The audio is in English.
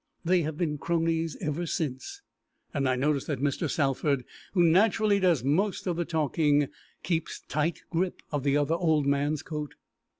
They have been cronies ever since, and I notice that Mr. Salford, who naturally does most of the talking, keeps tight grip of the other old man's coat.